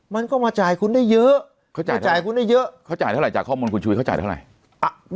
มันก็มาจ่ายคุณได้เยอะเขาจ่ายคุณได้เยอะเขาจ่ายเท่าไหจากข้อมูลคุณชุวิตเขาจ่ายเท่าไหร่